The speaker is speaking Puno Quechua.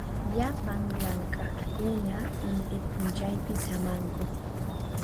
Llapan llamk'aqkuna inti p'unchaypi samanku.